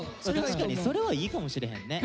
確かにそれはいいかもしれへんね。